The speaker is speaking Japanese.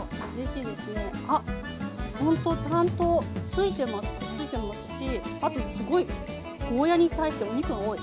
くっついてますしあとすごいゴーヤーに対してお肉が多い。